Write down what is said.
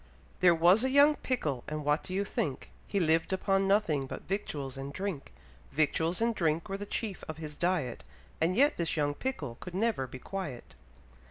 There was a young pickle, and what do you think? He liv'd upon nothing but victuals and drink; Victuals and drink were the chief of his diet, And yet this young pickle could never be quiet.